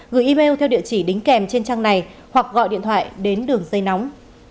gửi email theo địa chỉ đính kèm trên trang này hoặc gọi điện thoại đến đường dây nóng